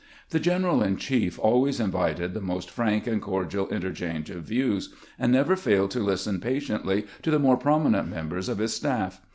The general in chief always invited the most frank and cordial interchange of views, and never failed to listen patiently to the more prominent members of his staff.